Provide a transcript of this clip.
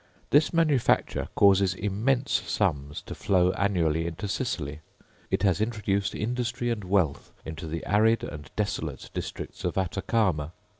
This manufacture causes immense sums to flow annually into Sicily. It has introduced industry and wealth into the arid and desolate districts of Atacama.